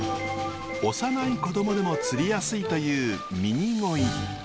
幼い子供でも釣りやすいというミニゴイ。